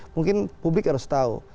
mungkin publik harus tahu